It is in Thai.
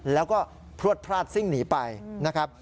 แล้วก็พลวดพลาดซิ่งหนีไปนะครับ